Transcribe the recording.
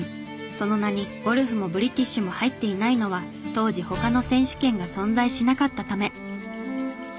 その名に「ゴルフ」も「ブリティッシュ」も入っていないのは当時他の選手権が存在しなかったため。